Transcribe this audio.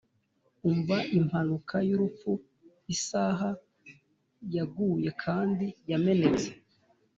umva impanuka y'urupfu isaha yaguye kandi yamenetse